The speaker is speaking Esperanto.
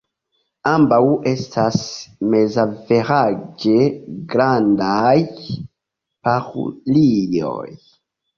Ambaŭ estas mezaveraĝe grandaj parulioj.